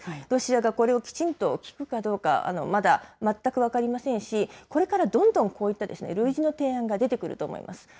ロシアがこれをきちんと聞くかどうか、まだ全く分かりませんし、これからどんどんこういった類似の提案が出てくると思います。